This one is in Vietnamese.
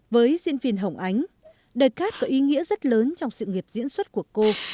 với diễn viên hồng ánh đời cát có ý nghĩa rất lớn trong sự nghiệp diễn xuất của cô